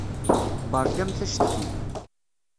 Beṛkamt acetki.